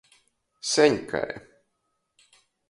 Seņ kai.